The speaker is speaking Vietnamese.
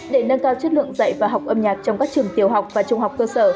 để nâng cao chất lượng dạy và học âm nhạc trong các trường tiểu học và trung học cơ sở